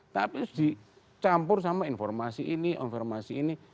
tapi dicampur sama informasi ini informasi ini